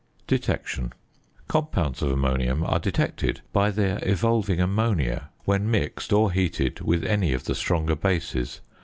~Detection.~ Compounds of ammonium are detected by their evolving ammonia when mixed or heated with any of the stronger bases.